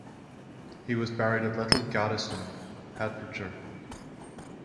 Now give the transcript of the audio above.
He was buried at Little Gaddesden, Hertfordshire.